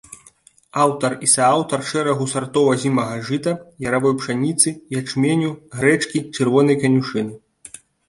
Аўтар і сааўтар шэрагу сартоў азімага жыта, яравой пшаніцы, ячменю, грэчкі, чырвонай канюшыны.